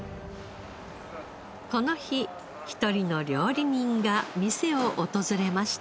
この日一人の料理人が店を訪れました。